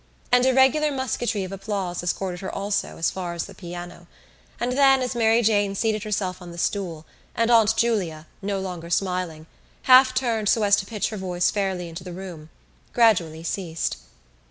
An irregular musketry of applause escorted her also as far as the piano and then, as Mary Jane seated herself on the stool, and Aunt Julia, no longer smiling, half turned so as to pitch her voice fairly into the room, gradually ceased.